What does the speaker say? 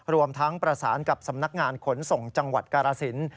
รวมทั้งประสานกับสำนักงานขนส่งจังหวัดกาลสิน